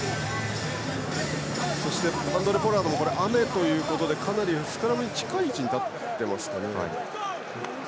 そしてハンドレ・ポラードも雨ということでかなりスクラムに近い位置に立っていますかね。